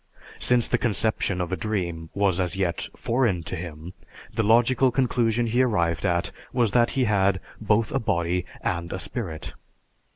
Since the conception of a dream was as yet foreign to him, the logical conclusion he arrived at was that he had both a body and a spirit.